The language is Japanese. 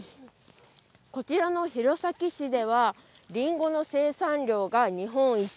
こちらの弘前市では、りんごの生産量が日本一。